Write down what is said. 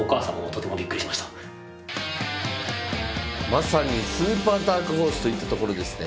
まさにスーパーダークホースといったところですね。